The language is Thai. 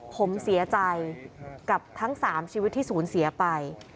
ผมเสียใจกับทั้ง๓ชีวิตที่สูญเสียไป